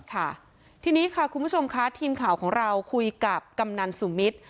ค่ะทีนี้ค่ะคุณผู้ชมค่ะทีมข่าวของเราคุยกับกำนันสุมิตร